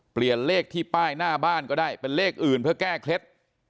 เปลี่ยนเลขที่ป้ายหน้าบ้านก็ได้เป็นเลขอื่นเพื่อแก้เคล็ด